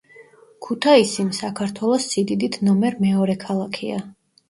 ქუთაისი საქართველოს სიდიდით ნომერ მეორე ქალაქია